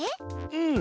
うん。